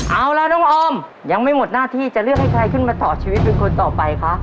เอาล่ะน้องออมยังไม่หมดหน้าที่จะเลือกให้ใครขึ้นมาต่อชีวิตเป็นคนต่อไปคะ